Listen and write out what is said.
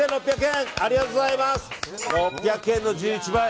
６００円の１１倍。